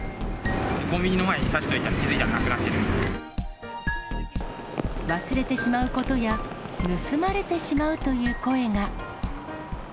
コンビニの前にさしていたら忘れてしまうことや、盗まれてしまうという声が。